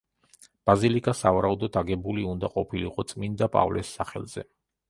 ბაზილიკა სავარაუდოდ აგებული უნდა ყოფილიყო წმინდა პავლეს სახელზე.